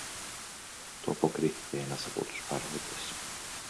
του αποκρίθηκε ένας από τους παρόντες.